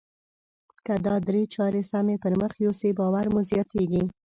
که دا درې چارې سمې پر مخ يوسئ باور مو زیاتیږي.